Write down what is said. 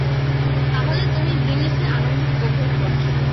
তাহলে তুমি ভিনিসে আনন্দ উপভোগ করছ।